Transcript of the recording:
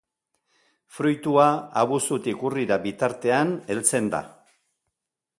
Fruitua abuztutik urrira bitartean heltzen da.